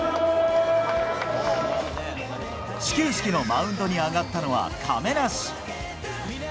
始球式のマウンドに上がったのは亀梨。